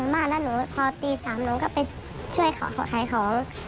แล้วหนูพอตีสามหนูก็ไปช่วยขายของ